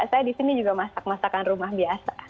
saya di sini juga masak masakan rumah biasa